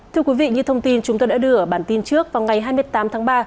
thưa quý vị như thông tin chúng tôi đã đưa ở bản tin trước vào ngày hai mươi tám tháng ba